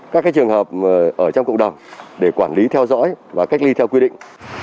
các trường hợp ở trong cộng đồng để quản lý theo dõi và cách ly theo quy định